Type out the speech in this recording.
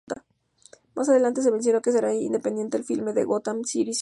Más adelante, se mencionó que será independiente al filme de Gotham City Sirens.